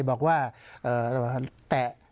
บอกว่าแตะ